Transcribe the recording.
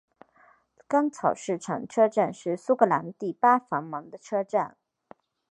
干草市场车站是苏格兰第八繁忙的车站。